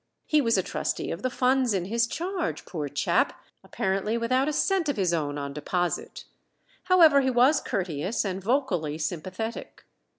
He was a trustee of the funds in his charge poor chap, apparently without a cent of his own on deposit. However, he was courteous, and vocally sympathetic.